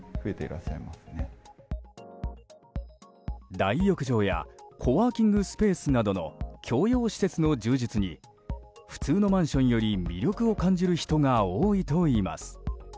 大浴場やコワーキングスペースなどのｋ共用施設の充実に普通のマンションより魅力を感じる人が多いといいます。